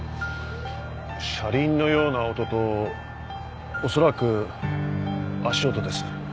車輪のような音とおそらく足音です。